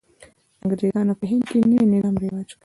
انګرېزانو په هند کې نوی نظام رواج کړ.